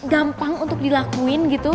gampang untuk dilakuin gitu